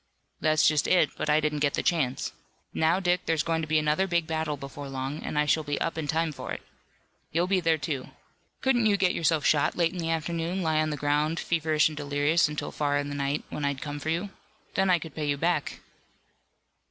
"That's just it, but I didn't get the chance. Now, Dick, there's going to be another big battle before long, and I shall be up in time for it. You'll be there, too. Couldn't you get yourself shot late in the afternoon, lie on the ground, feverish and delirious until far in the night, when I'd come for you. Then I could pay you back."